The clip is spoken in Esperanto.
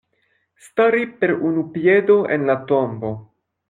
Stari per unu piedo en la tombo.